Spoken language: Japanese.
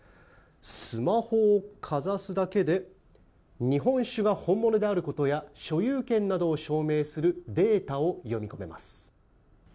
スマホをかざすだけで日本酒が本物であることや所有権などを証明するデータを読み込めます。